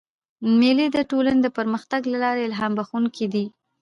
مېلې د ټولني د پرمختګ له پاره الهام بخښونکي دي.